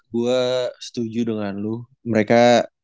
gue setuju dengan lo mereka